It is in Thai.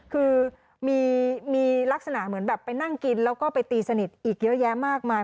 คือมีลักษณะเหมือนแบบไปนั่งกินแล้วก็ไปตีสนิทอีกเยอะแยะมากมาย